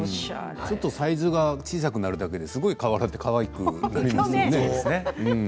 サイズが小さくなるだけですごく変わってかわいくなりますね。